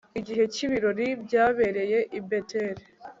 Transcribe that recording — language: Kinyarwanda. Igihe cyibirori byabereye i Beteli